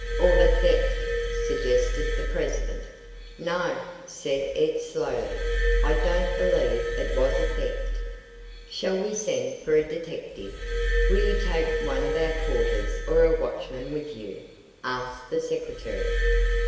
"Or the theft," suggested the president. "No," said Ed slowly, "I don't believe it was a theft." "Shall we send for a detective? Will you take one of our porters or a watchman with you?" asked the secretary.